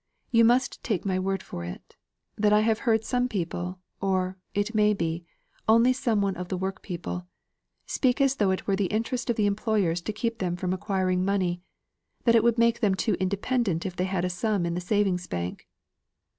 You must take my word for it, that I have heard some people, or, it may be, only some one of the workpeople speak as though it were the interest of the employers to keep them from acquiring money that it would make them too independent if they had a sum in the savings' bank."